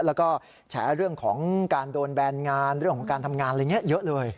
แล้วก็แฉเรื่องของการโดนแบนงานเรื่องของการทำงานอะไรอย่างนี้เยอะเลย